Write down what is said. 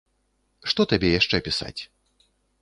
Што табе яшчэ пісаць?